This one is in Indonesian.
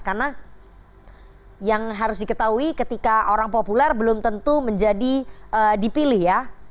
karena yang harus diketahui ketika orang popular belum tentu menjadi dipilih ya